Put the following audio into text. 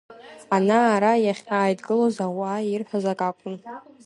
Ана-ара иахьааидгылоз, ауаа ирҳәоз акакәын.